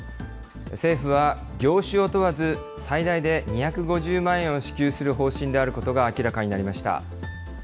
政府は業種を問わず、最大で２５０万円を支給する方針であることが明らかになりました。